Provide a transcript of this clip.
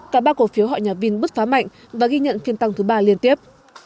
cả ba cổ phiếu họ nhà vin bứt phá mạnh và ghi nhận phiên tăng thứ ba liên tiếp